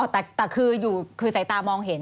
แต่คือใส่ตามองเห็น